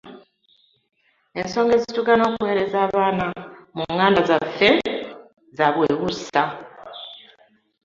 Ensonga ezitugaana okuweereza abaana mu Nganda zaffe za bwewussa